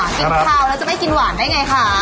กินข้าวแล้วจะไม่กินหวานได้ไงคะ